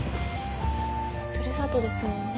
ふるさとですもんね